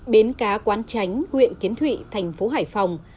bến cá quán tránh huyện kiến thụy thành phố hải phòng